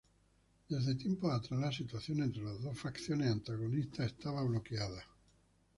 Desde tiempo atrás la situación entre las dos facciones antagonistas estaba bloqueada.